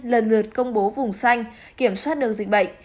lần lượt công bố vùng xanh kiểm soát được dịch bệnh